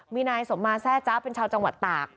มีนายสมมาแทร่จ๊ะเป็นชาวจังหวัดตาก